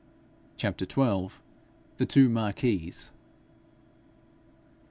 CHAPTER XII. THE TWO MARQUISES.